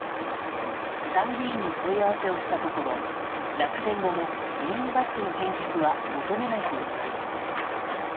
参議院に問い合わせをしたところ落選後も議員バッジの返却は求めないといいます。